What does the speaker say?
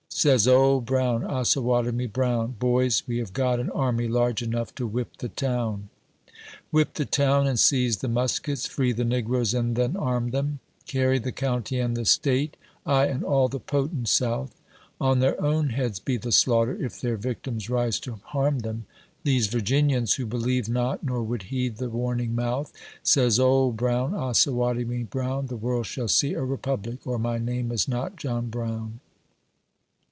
Says Old Brown, Osawatomie Brown, " Boys, we have got an army large enough to whip the town !" Whip the town and seize the muskets, free the negroes, and then arm them — Carry the County and the State ; ay, and all the potent South; On their own heads be the slaughter, if their victims rise to harm them — These Virginians ! who believed not, nor would heed the warning mouth." Says Old Brown, Osawatomie Brown, " The world shall see a Republic, or my name is not John Brown